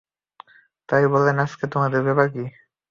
তাই বললেনঃ আজকে তোমাদের ব্যাপার কী?